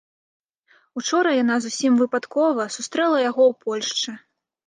Учора яна зусім выпадкова сустрэла яго ў Польшчы.